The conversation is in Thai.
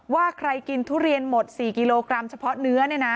ว่าใครกินทุเรียนหมด๔กิโลกรัมเฉพาะเนื้อ